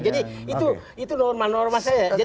jadi itu norma norma saya